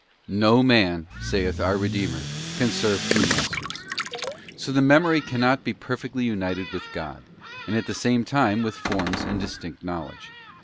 *No man,' saith our Redeemer, 'can serve two masters,' * so the Memory cannot be perfectly united with God, and at the same time with forms and distinct knowledge.